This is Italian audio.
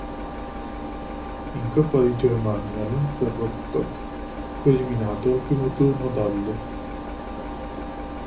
In coppa di Germania l'Hansa Rostock fu eliminato al primo turno dall'.